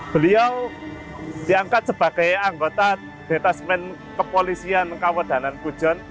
beliau diangkat sebagai anggota detasmen kepolisian kawedanan pujon